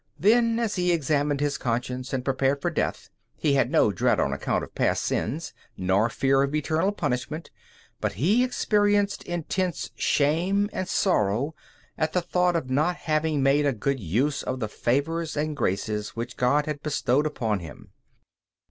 Then, as he examined his conscience and prepared for death, he had no dread on account of past sins, nor fear of eternal punishment, but he experienced intense shame and sorrow at the thought of not having made a good use of the favors and graces which God had bestowed upon him.